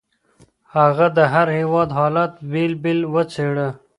هغه د هر هېواد حالت بېل بېل وڅېړه.